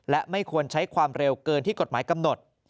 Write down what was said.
และไม่ควรใช้ความเร็วเกินที่กฎหมายกำหนด